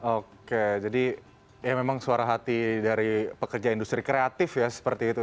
oke jadi ya memang suara hati dari pekerja industri kreatif ya seperti itu